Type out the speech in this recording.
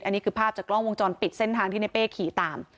อันนี้คือภาพจากกล้องวงจรปิดเส้นทางที่ในเป้ขี่ตาม